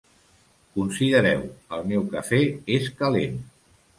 Considereu "El meu cafè és calent".